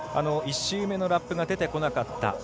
１周目のラップが出てこなかった。